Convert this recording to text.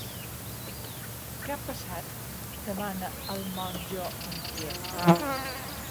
Què ha passat? —demana el monjo, inquiet.